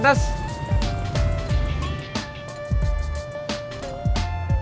tidak itu tidak baik